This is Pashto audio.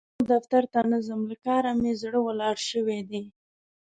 نور دفتر ته نه ځم؛ له کار مې زړه ولاړ شوی دی.